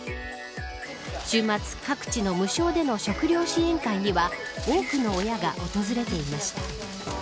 週末、各地の無償での食料支援会には多くの親が訪れていました。